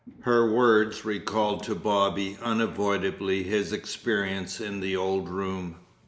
Her words recalled to Bobby unavoidably his experience in the old room.